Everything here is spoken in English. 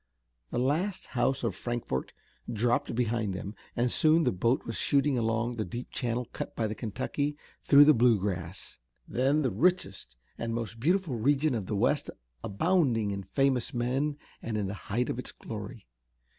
The last house of Frankfort dropped behind them, and soon the boat was shooting along the deep channel cut by the Kentucky through the Bluegrass, then the richest and most beautiful region of the west, abounding in famous men and in the height of its glory.